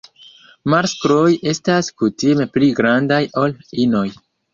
Maskloj estas kutime pli grandaj ol inoj.